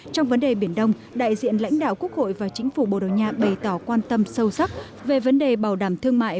trong vấn đề biển đông đại diện lãnh đạo quốc hội và chính phủ bồ đầu nha bày tỏ quan tâm sâu sắc về vấn đề bảo đảm thương mại